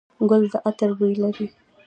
ګل د عطر بوی لري.